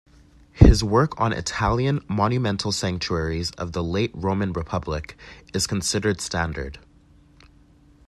His work on Italian monumental sanctuaries of the late Roman Republic is considered standard.